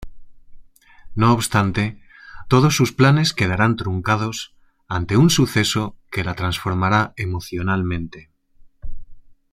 No obstante, todos sus planes quedarán truncados ante un suceso que la transformará emocionalmente.